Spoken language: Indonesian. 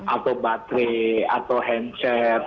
atau baterai atau handset